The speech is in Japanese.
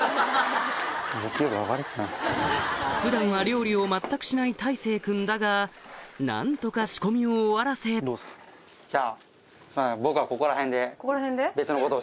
普段は料理を全くしない大聖君だが何とか仕込みを終わらせじゃあ。